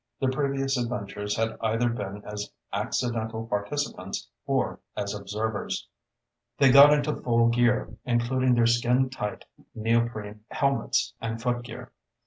Their previous adventures had either been as accidental participants or as observers. They got into full gear, including their skin tight neoprene helmets and footgear.